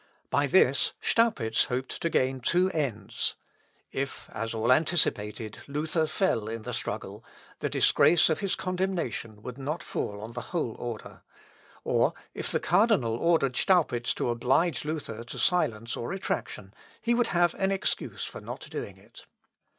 By this Staupitz hoped to gain two ends. If, as all anticipated, Luther fell in the struggle, the disgrace of his condemnation would not fall on the whole order; or if the cardinal ordered Staupitz to oblige Luther to silence or retractation, he would have an excuse for not doing it.